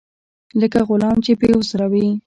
لکه غلام چې بې عذره وي.